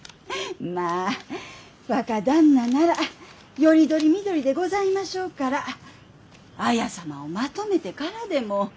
まあ若旦那ならより取り見取りでございましょうから綾様をまとめてからでも。